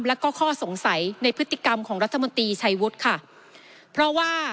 แล้วก็ข้อสงสัยในพฤติกรรมของรัฐมนตรีชัยวุฒิค่ะเพราะว่า